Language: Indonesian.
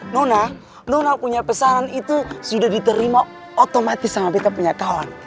nona nona punya pesanan itu sudah diterima otomatis sama kita punya kawan